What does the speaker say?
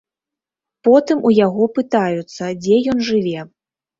Потым у яго пытаюцца, дзе ён жыве.